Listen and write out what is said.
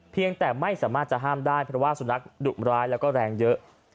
แต่ไม่สามารถจะห้ามได้เพราะว่าสุนัขดุร้ายแล้วก็แรงเยอะ